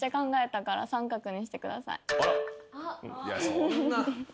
そんな。